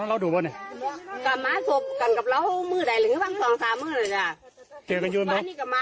พ่ออยู่หรือเปล่า